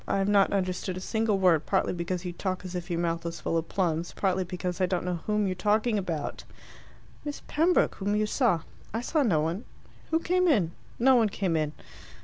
I have not understood a single word, partly because you talk as if your mouth was full of plums, partly because I don't know whom you're talking about." "Miss Pembroke whom you saw." "I saw no one." "Who came in?" "No one came in."